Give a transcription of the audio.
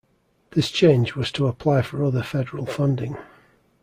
This change was to apply for other federal funding.